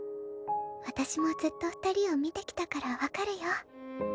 私もずっと二人を見てきたから分かるよ。